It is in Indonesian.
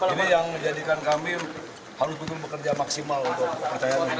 ini yang menjadikan kami harus bekerja maksimum